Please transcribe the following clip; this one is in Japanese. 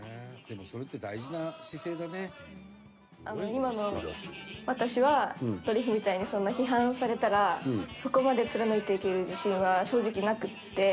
今の私はドリフみたいにそんな批判されたらそこまで貫いていける自信は正直なくて。